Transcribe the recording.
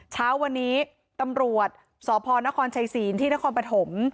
เช้าวันนี้ตำรวจสพนครชัยศีลที่นครปฐม